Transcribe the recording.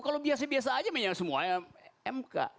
kalau biasa biasa aja memang semua mk